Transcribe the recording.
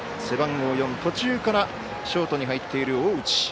背番号４、途中からショートに入っている大内。